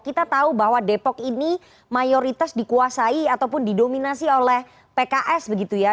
kita tahu bahwa depok ini mayoritas dikuasai ataupun didominasi oleh pks begitu ya